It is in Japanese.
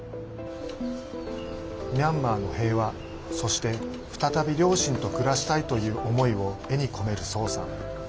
ミャンマーの平和、そして再び両親と暮らしたいという思いを絵に込めるソウさん。